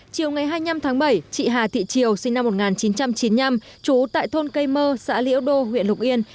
chiều ngày hai mươi năm tháng bảy chị hà thị triều sinh năm một nghìn chín trăm chín mươi năm trú tại thôn cây mơ xã liễu đô huyện lục yên